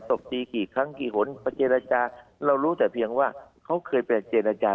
ตบตีกี่ครั้งกี่หนไปเจรจาเรารู้แต่เพียงว่าเขาเคยไปเจรจา